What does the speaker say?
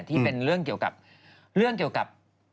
ที่เป็นเรื่องเกี่ยวกับ